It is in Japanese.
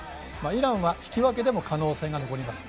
イランは引き分けでも可能性が残ります。